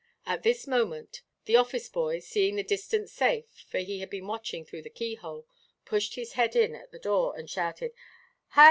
At this moment the office–boy, seeing the distance safe, for he had been watching through the keyhole, pushed his head in at the door, and shouted, "Hi!